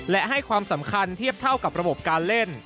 และให้ความสำคัญเทียบเท่ากับระบบการเล่น